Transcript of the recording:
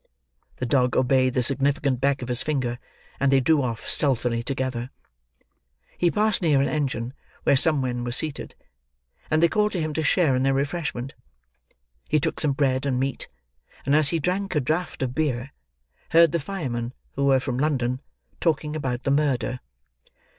The dog obeyed the significant beck of his finger, and they drew off, stealthily, together. He passed near an engine where some men were seated, and they called to him to share in their refreshment. He took some bread and meat; and as he drank a draught of beer, heard the firemen, who were from London, talking about the murder.